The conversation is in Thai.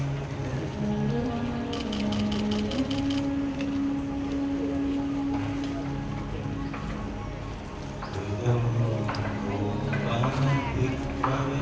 สวัสดีครับสวัสดีครับ